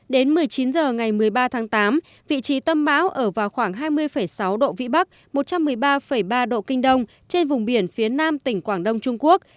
đến một mươi chín h ngày một mươi ba tháng tám vị trí tâm bão ở vào khoảng hai mươi sáu độ vĩ bắc một trăm một mươi ba ba độ kinh đông trên vùng biển phía nam tỉnh quảng đông trung quốc